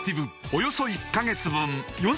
およそ１カ月分